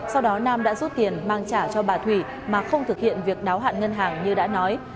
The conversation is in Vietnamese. sau đó nam đã rút tiền mang trả cho bà thủy mà không thực hiện việc đáo hạn ngân hàng như đã nói